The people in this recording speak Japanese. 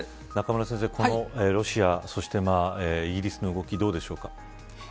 中村先生、ロシアそしてイギリスの動きどうでしょうか。